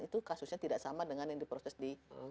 itu kasusnya tidak sama dengan yang diproses di